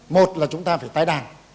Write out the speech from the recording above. một là chúng ta phải tái đàn